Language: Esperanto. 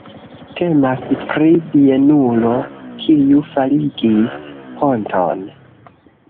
Temas pri bienulo, kiu farigis ponton.